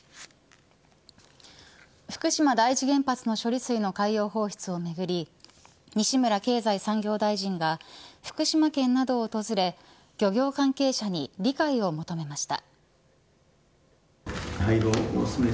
福島第一原発の処理水の海洋放出をめぐり西村経済産業大臣が福島県などを訪れ漁業関係者に理解を求めました。